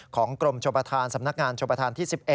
ของกรมชบทานสำนักงานชบทานที่๑๑